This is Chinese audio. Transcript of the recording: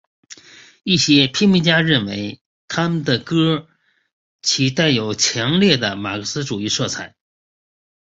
一些批评家认为他们的歌其带有强烈的马克思主义色彩。